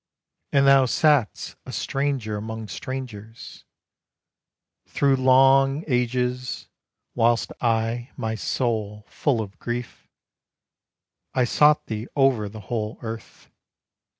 And thou sat'st a stranger among strangers, Through long ages, Whilst I, my soul full of grief, I sought thee over the whole earth.